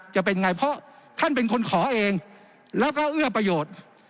จะเป็นไงเพราะท่านเป็นคนขอเองแล้วก็เอื้อประโยชน์